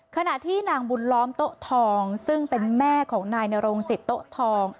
ขณะที่นางบุญล้อมโต๊ะทองซึ่งเป็นแม่ของนายนรงสิทธิโต๊ะทอง